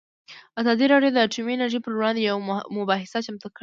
ازادي راډیو د اټومي انرژي پر وړاندې یوه مباحثه چمتو کړې.